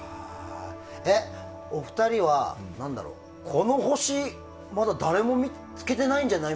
お二人は、この星まだ誰も見つけてないんじゃない？